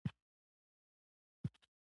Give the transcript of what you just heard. اروپایانو ډېرې سیمې ونیولې.